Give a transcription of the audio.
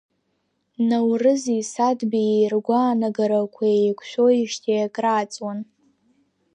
Наурызи Саҭбеии ргәаанагарақәа еиқәшәоижьҭеи акрааҵуан.